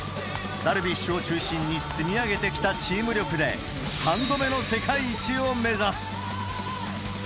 ダルビッシュを中心に積み上げてきたチーム力で３度目の世界一を目指す。